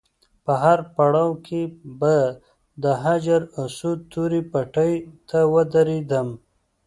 په هر پړاو کې به د حجر اسود تورې پټۍ ته ودرېدم.